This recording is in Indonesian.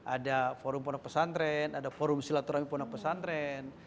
ada forum produk pesantren ada forum silaturahmi produk pesantren